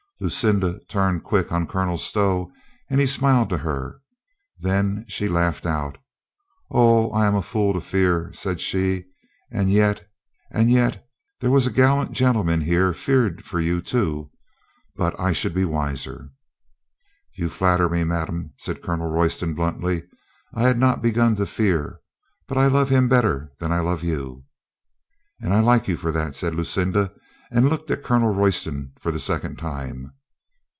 Lucinda turned quick on Colonel Stow, and he smiled to her. Then she laughed out. "Oh, I am a fool to fear," said she. "And yet, and yet there was a gallant gentleman here feared for you, too. But I should be wiser." "You flatter me, madame," said Colonel Royston bluntly. "I had not begun to fear. But I love him better than I love you." "And I like you for that," said Lucinda, and looked at Colonel Royston for the second time.